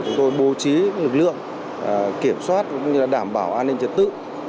chúng tôi bố trí lực lượng kiểm soát đảm bảo an ninh trật tự